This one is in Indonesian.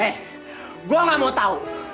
eh gue gak mau tahu